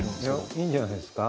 いいんじゃないですか？